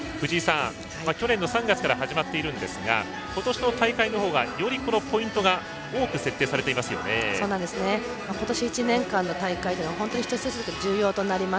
去年の３月から始まっているんですが今年の大会の方がよりポイントが今年１年間の大会というのは本当に１つずつ重要となります。